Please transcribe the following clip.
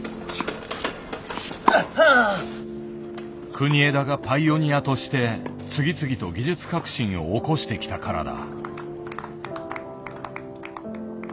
国枝がパイオニアとして次々と技術革新を起こしてきたからだ。